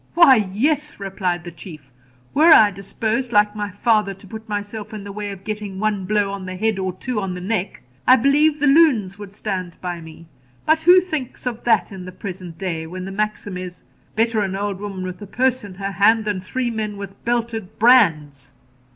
'Why, yes,' replied the Chief, 'were I disposed, like my father, to put myself in the way of getting one blow on the head, or two on the neck, I believe the loons would stand by me. But who thinks of that in the present day, when the maxim is, "Better an old woman with a purse in her hand than three men with belted brands"?'